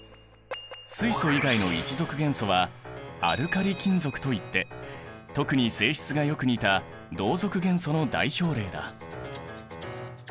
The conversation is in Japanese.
水素以外の１族元素はアルカリ金属といって特に性質がよく似た同族元素の代表例だ。